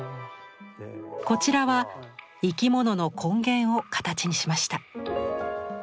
こちらは生き物の根源を形にしました。